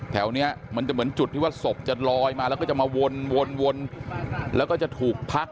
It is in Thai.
แถวนี้มันจะเหมือนจุดที่ว่าศพจะลอยมาแล้วก็จะมาวนวนแล้วก็จะถูกพัก